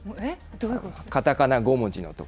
どういうこと？